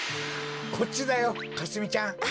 こっちだよかすみちゃん。